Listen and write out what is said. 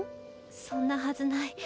そんなはずない。